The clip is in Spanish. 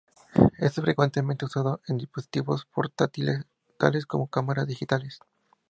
Es frecuentemente usado en dispositivos portátiles tales como cámaras digitales.